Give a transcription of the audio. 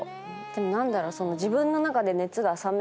でも何だろ？